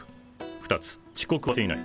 ２つ遅刻はしていない。